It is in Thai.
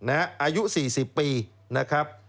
อายุ๔๐ปีนะครับ